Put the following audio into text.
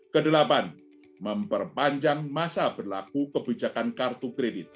kedelapan memperpanjang masa berlaku kebijakan kartu kredit